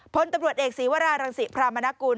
พลตำรวจเอกศีวรารังศิพรามนกุล